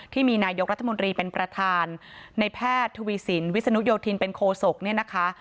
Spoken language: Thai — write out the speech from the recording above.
ที่มีนายกรัฐมนตรีเป็นประธานในแพทย์ทวีสินวิศนุโยธินเป็นโคศกเนี่ยนะคะ